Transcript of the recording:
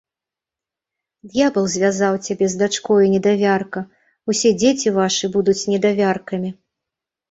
Д'ябал звязаў цябе з дачкою недавярка, усе дзеці вашы будуць недавяркамі!